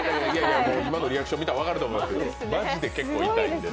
今のリアクション見たら分かると思いますがマジで痛いです。